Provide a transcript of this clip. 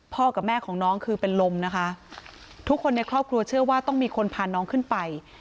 กับแม่ของน้องคือเป็นลมนะคะทุกคนในครอบครัวเชื่อว่าต้องมีคนพาน้องขึ้นไป